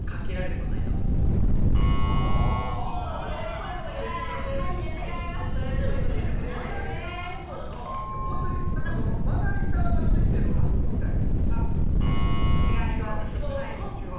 まな板がついてるラックみたいな。